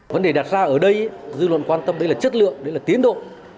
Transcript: vấn đề đặt ra ở đây dư luận quan tâm đây là chất lượng đây là tiến độ